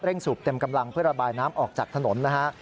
สูบเต็มกำลังเพื่อระบายน้ำออกจากถนนนะฮะ